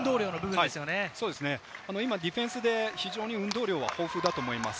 ディフェンスで非常に運動量は豊富だと思います。